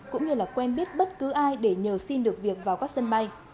cũng như là quen biết bất cứ ai để nhờ xin được việc vào các sân bay